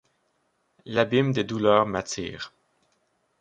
L’abîme des douleurs m’attire.